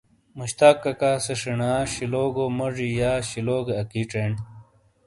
مشتاق ککا سے شینا شلوگو موجی یا شلوگے اکی چینڈ۔